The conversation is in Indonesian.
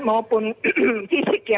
maupun fisik ya